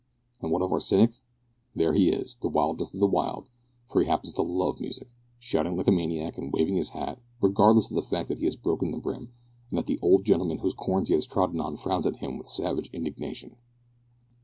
And what of our cynic? There he is, the wildest of the wild for he happens to love music shouting like a maniac and waving his hat, regardless of the fact that he has broken the brim, and that the old gentleman whose corns he has trodden on frowns at him with savage indignation.